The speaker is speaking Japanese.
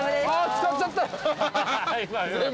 使っちゃった。